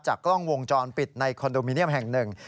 กล้องวงจรปิดในคอนโดมิเนียมแห่งหนึ่ง